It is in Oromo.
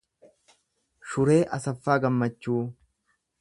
Shuree Asaffaa Gammachuu